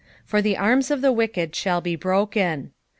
For Iht arm* of the Kicked thaU be broken."